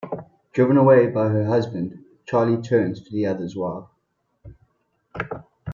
Driven away by her husband, Charlie turns to the other's wife.